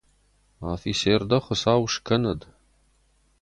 Афицер дӕ хуыцау скӕнӕд!